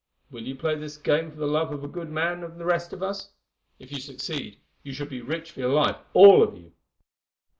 Will you play this game for the love of a good man and the rest of us? If you succeed, you shall be rich for life, all of you."